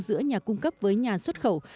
giữa nhà cung cấp với nhà xuất khẩu